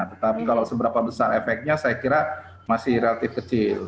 tetapi kalau seberapa besar efeknya saya kira masih relatif kecil